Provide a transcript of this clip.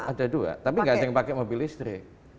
ada dua tapi nggak ada yang pakai mobil listrik